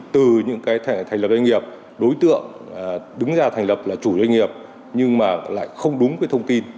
từ những cái thẻ thành lập doanh nghiệp đối tượng đứng ra thành lập là chủ doanh nghiệp nhưng mà lại không đúng cái thông tin